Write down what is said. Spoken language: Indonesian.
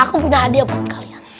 aku punya hadiah buat kalian